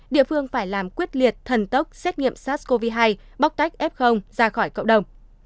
địa phương phải làm quyết liệt thần tốc xét nghiệm sars cov hai bóc tách f ra khỏi cộng đồng